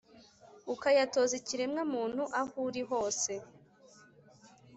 ukayatoza ikiremwa-muntu aho uli hose